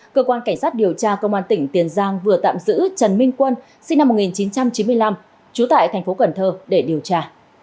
cơ quan cảnh sát điều tra công an tỉnh tiền giang vừa tạm giữ trần minh quân sinh năm một nghìn chín trăm chín mươi năm trú tại thành phố cần thơ để điều tra